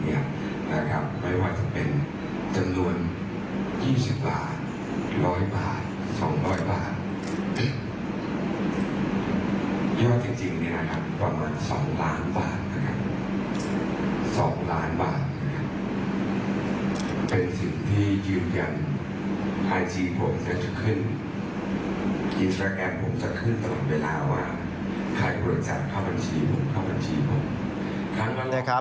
คีย์สตรัคแอปผมจะขึ้นตลอดเวลาว่าขายบริษัทเข้าบัญชีผม